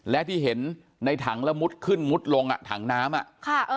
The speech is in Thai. และที่เห็นในถังแล้วมุดขึ้นมุดลงถังน้ำ